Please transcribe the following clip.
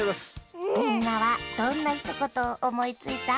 みんなはどんなひとことをおもいついた？